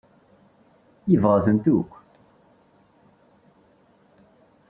Yeḍlem Ḥasan.